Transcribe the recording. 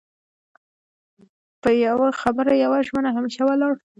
په يو خبره يوه ژمنه همېشه ولاړ